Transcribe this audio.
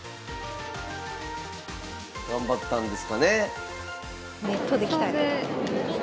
頑張ったんですかね。